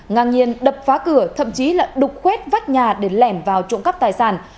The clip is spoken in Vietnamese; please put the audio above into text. ngàn nhiên đập phá cửa thậm chí là đục khuét vắt nhà để lẻm vào trộm cắp tài sản